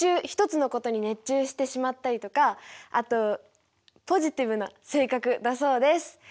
一つのことに熱中してしまったりとかあとポジティブな性格だそうです。